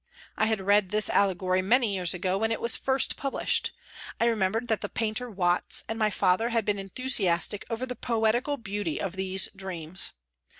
I had read this allegory many years ago when it was first published. I remember that the painter Watts and my father had been enthusiastic over the poetical beauty of these " Dreams."